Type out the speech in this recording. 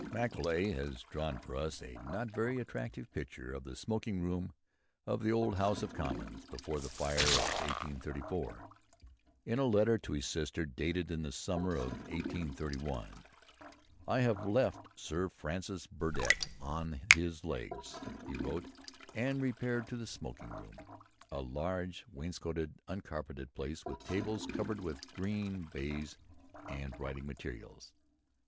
Macaulay has drawn for us the not very attractive picture of the smoking room of the old House of Commons before the fire of 1834 in a letter to his sister dated in the summer of 1831. "I have left Sir Francis Burdett on his legs," he wrote, "and repaired to the smoking room; a large, wainscoted, uncarpeted place, with tables covered with green baize and writing materials.